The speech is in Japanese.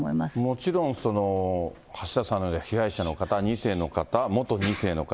もちろん、その橋田さんのような被害者の方、２世の方、元２世の方。